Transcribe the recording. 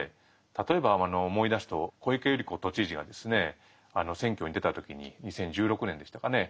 例えば思い出すと小池百合子都知事が選挙に出た時に２０１６年でしたかね